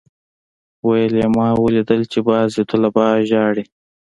ويل يې ما اوليدل چې بعضي طلبا جاړي.